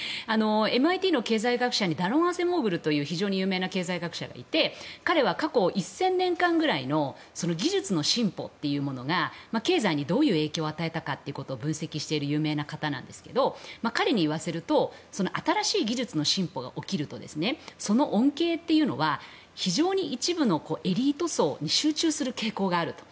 ＭＩＴの経済学者に非常に有名な経済学者がいて彼は過去１０００年ぐらいの技術の進歩というものが経済にどういう影響を与えたかということを分析している有名な方なんですが彼に言わせると新しい技術の進歩が起きるとその恩恵というのは非常に一部のエリート層に集中する傾向があると。